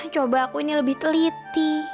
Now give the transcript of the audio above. coba aku ini lebih teliti